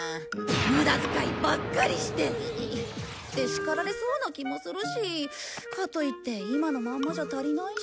「無駄づかいばっかりして！」って叱られそうな気もするしかといって今のまんまじゃ足りないし。